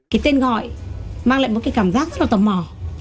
cái tên gọi mang lại một cái cảm giác rất là tò mò